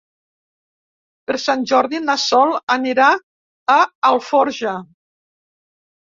Per Sant Jordi na Sol anirà a Alforja.